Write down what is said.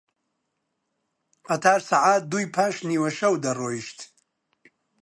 قەتار سەعات دووی پاش نیوەشەو دەڕۆیشت